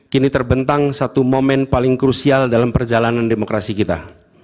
kini terbentang satu momen paling krusial dalam perjalanan demokrasi kita